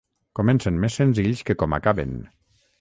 Comencen més senzills que com acaben.